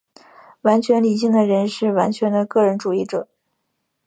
完全理性的人是完全的个人主义者。